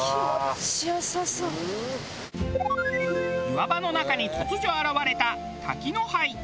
岩場の中に突如現れた。